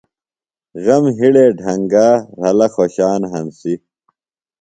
غمِ ہِڑے ڈھنگا رھلہ خوۡشان ہنسی۔